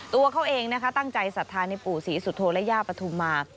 ตัวเขาเองตั้งใจสัดทานในปู่ศรีสุทธโทและยาปฐุมา